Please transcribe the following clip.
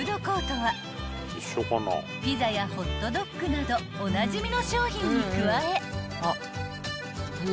［ピザやホットドッグなどおなじみの商品に加え］